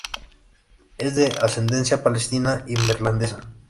Es de ascendencia palestina y neerlandesa.